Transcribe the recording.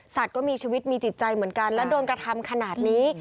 ก็มีชีวิตมีจิตใจเหมือนกันและโดนกระทำขนาดนี้